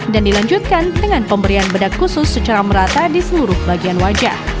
dan dilanjutkan dengan pemberian bedak khusus secara merata di seluruh bagian wajah